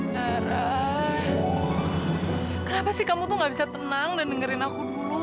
nara kamu tuh gak bisa tenang dan dengerin aku dulu